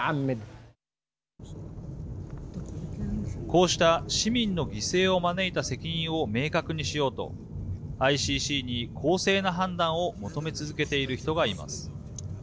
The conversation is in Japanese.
こうした市民の犠牲を招いた責任を明確にしようとＩＣＣに公正な判断を求め続けている人がいます。